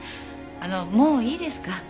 あのもういいですか？